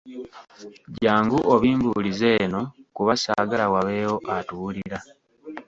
Jangu obimbuulize eno kuba saagala wabeewo atuwulira.